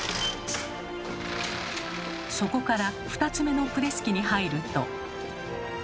そこから２つ目のプレス機に入ると。